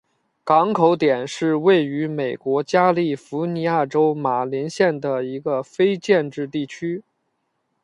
港口点是位于美国加利福尼亚州马林县的一个非建制地区。